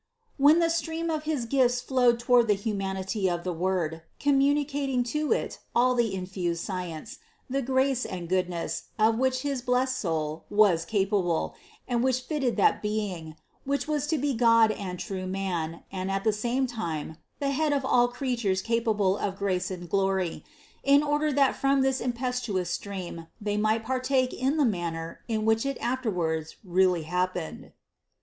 When the stream of his gifts flowed toward the humanity of the Word, communicating to it all the infused science, the grace and goodness of which his blessed soul was capable, and which fitted that Being, which was to be God and true man, and at the same time, the Head of all creatures capable of grace and glory, in order that from this impetuous stream they might partake in the manner in which it afterwards really happened.